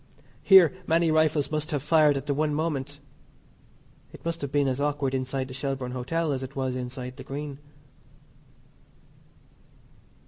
Here many rifles must have fired at the one moment. It must have been as awkward inside the Shelbourne Hotel as it was inside the Green.